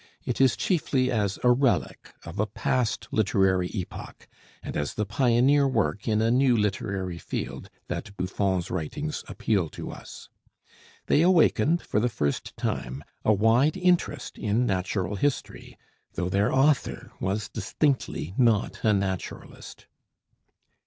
It is chiefly as a relic of a past literary epoch, and as the pioneer work in a new literary field, that Buffon's writings appeal to us. They awakened for the first time a wide interest in natural history, though their author was distinctly not a naturalist.